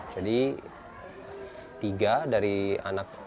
jadi tiga dari anak